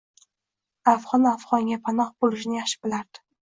Afg’on afg’onga panoh bo’lishini yaxshi bilardi.